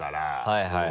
はいはい。